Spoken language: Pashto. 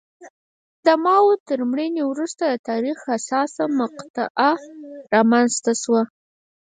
د ماوو تر مړینې وروسته د تاریخ حساسه مقطعه رامنځته شوه.